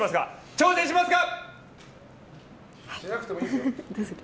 挑戦しますか？